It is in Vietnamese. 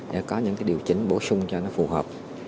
để có những điều chỉnh bổ sung cho nó phù hợp